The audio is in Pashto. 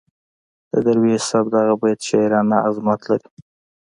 د درویش صاحب دغه بیت شاعرانه عظمت لري.